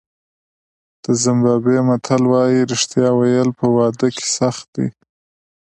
د زیمبابوې متل وایي رښتیا ویل په واده کې سخت دي.